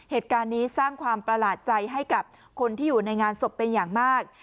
เหตุการณ์นี้สร้างความประหลาดใจให้กับคนที่อยู่ในงานศพเป็นอย่างมาก